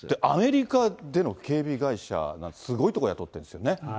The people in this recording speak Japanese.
アメリカでの警備会社が、すごいところを雇ってるんですよね。